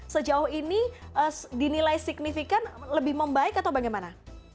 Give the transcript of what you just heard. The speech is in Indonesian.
sejauh ini dinilai signifikan lebih membaik atau bagaimana